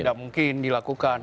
tidak mungkin dilakukan